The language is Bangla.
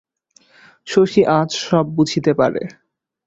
শশী আজ সব বুঝিতে পারে।